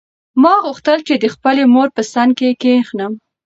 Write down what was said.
ما غوښتل چې د خپلې مور په څنګ کې کښېنم.